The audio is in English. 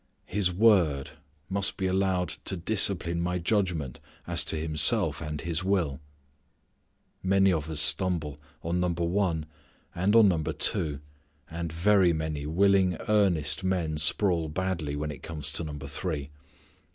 His Word must be allowed to discipline my judgment as to Himself and His will. Many of us stumble on number one and on number two. And very many willing earnest men sprawl badly when it comes to number three.